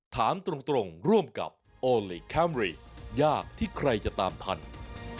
ถามตรงร่วมกับโอลี่คัมรี่ยากที่ใครจะตามพันธุ์